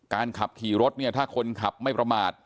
การขับขี่รถถ้าคนขับไม่ประมาท